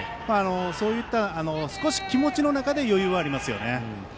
そういった、少し気持ちの中で余裕はありますよね。